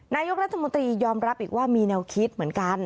นายกรัฐมนตรียอมรับอีกว่ามีแนวคิดเหมือนกัน